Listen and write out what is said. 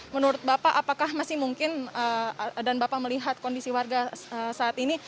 menurut bapak apakah masih mungkin dan bapak melihat kondisi warga saat ini